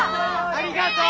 ありがとう！